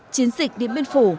chiến dịch điện biên phủ